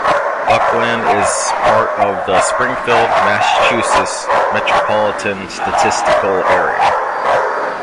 Buckland is part of the Springfield, Massachusetts Metropolitan Statistical Area.